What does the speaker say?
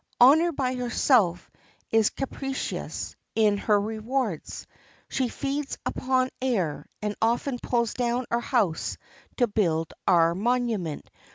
Honor by herself is capricious in her rewards. She feeds us upon air, and often pulls down our house to build our monument.